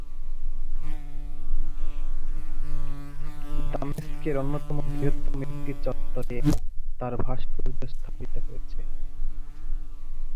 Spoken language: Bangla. দামেস্কের অন্যতম বৃহত্তম একটি চত্বরে তার ভাস্কর্য স্থাপিত হয়েছে।